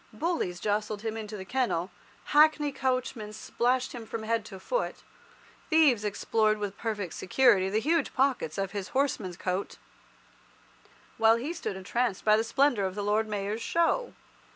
Bullies jostled him into the kennel, Hackney coachmen splashed him from head to foot, thieves explored with perfect security the huge pockets of his horseman's coat, while he stood entranced by the splendour of the Lord Mayor's Show.